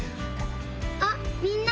あっみんな！